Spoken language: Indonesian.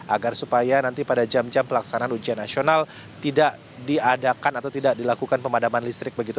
agar supaya nanti pada jam jam pelaksanaan ujian nasional tidak diadakan atau tidak dilakukan pemadaman listrik begitu